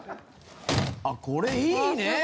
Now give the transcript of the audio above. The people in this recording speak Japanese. あっこれいいね！